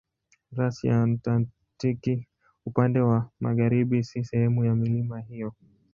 Rasi ya Antaktiki upande wa magharibi si sehemu ya milima hiyo.